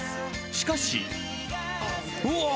しかし。